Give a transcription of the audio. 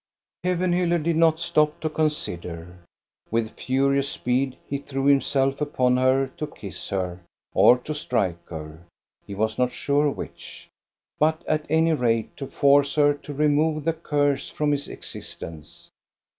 Kevenhiiller did not stop to consider. With furi ous speed he threw himself upon her to kiss her or to strike her, — he was not sure which, — but at any rate to force her to remove the curse from his exist ence.